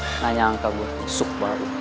nggak nyangka gua besok baru